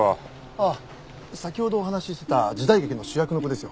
ああ先ほどお話ししてた時代劇の主役の子ですよ。